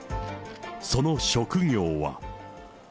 その職業は。